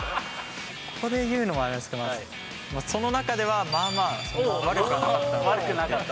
ここで言うのもあれなんですけど、その中ではまあまあ、悪くはなかった。